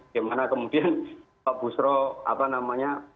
gimana kemudian pak busro apa namanya